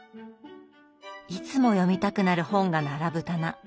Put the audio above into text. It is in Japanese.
いつも読みたくなる本が並ぶ棚。